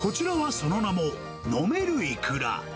こちらはその名も、飲めるイクラ。